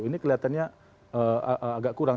ini kelihatannya agak kurang